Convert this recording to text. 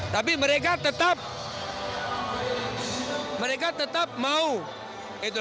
tapi mereka tetap mereka tetap mau itu